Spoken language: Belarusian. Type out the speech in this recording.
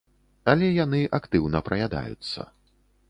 Але яны актыўна праядаюцца.